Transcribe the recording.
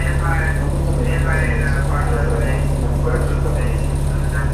No muy a menudo se menciona a los dragones en la mitología japonesa.